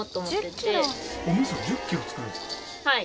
はい。